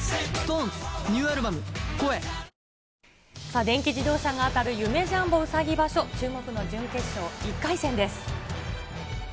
電気自動車が当たる夢・ジャンボうさぎ場所、注目の準決勝１回戦です。